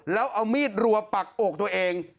แล้วเอามีดรัวปักอกตัวเอง